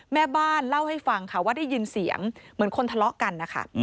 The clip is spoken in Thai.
แม่บ้านเล่าให้ฟังค่ะว่าได้ยินเสียงเหมือนคนทะเลาะกันนะคะ